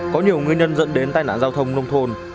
có nhiều nguyên nhân dẫn đến tai nạn giao thông nông thôn